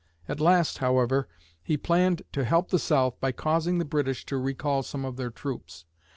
At last, however, he planned to help the South by causing the British to recall some of their troops.